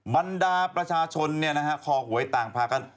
บรรดาประชาชนคอหวยต่างพากัน